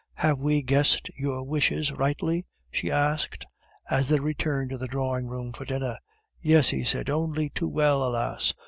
"Have we guessed your wishes rightly?" she asked, as they returned to the drawing room for dinner. "Yes," he said, "only too well, alas!